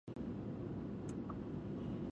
د زده کړې مور کورنۍ ته د پوهې دروازه پرانیزي.